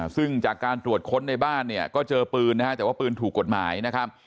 ซึ่งจากการตรวจค้นในบ้านเนี่ยก็เจอปืนนะฮะแต่ว่าปืนถูกกฎหมายนะครับ